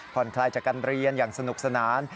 คลายจากการเรียนอย่างสนุกสนาน